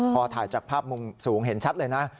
พอถ่ายจากภาพมุมสูงเห็นชัดเลยนะ